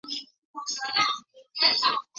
大业三年。